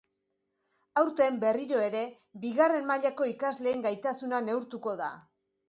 Aurten, berriro ere, bigarren mailako ikasleen gaitasuna neurtuko da.